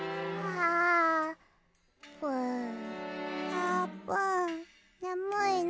あーぷんねむいの？